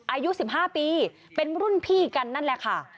อายุ๑๕ปีเป็นรุ่นพี่กันนั่นแหละค่ะ